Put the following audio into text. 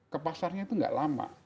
ke pasarnya itu nggak lama